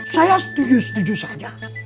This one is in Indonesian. saya setuju setuju saja